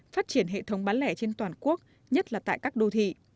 phát triển hệ thống bán lẻ trên toàn quốc nhất là tại các đô thị